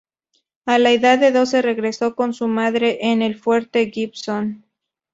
A la edad de doce regresó con su madre en el Fuerte Gibson.